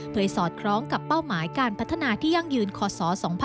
เพื่อสอดคล้องกับเป้าหมายการพัฒนาที่ยั่งยืนคศ๒๕๖๒